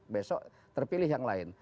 besok terpilih yang lain